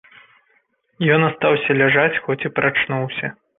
Ён астаўся ляжаць, хоць і прачнуўся.